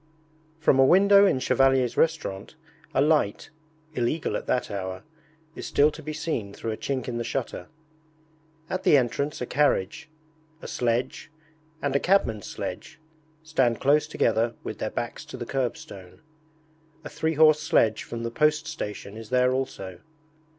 From a window in Chevalier's Restaurant a light illegal at that hour is still to be seen through a chink in the shutter. At the entrance a carriage, a sledge, and a cabman's sledge, stand close together with their backs to the curbstone. A three horse sledge from the post station is there also.